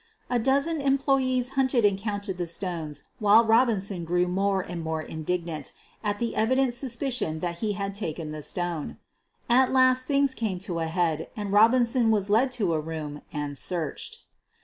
A dozen employees hunted and counted the stones while Robinson grew more and more indignant at the evident suspicion that he had taken the stone. At last things came to a head and Robinson was led to a room and searched.